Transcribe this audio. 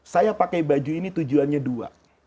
saya pakai baju ini tujuannya dua